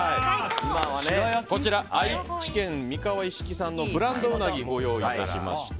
こちら、愛知県三河一色産のブランドうなぎをご用意しました。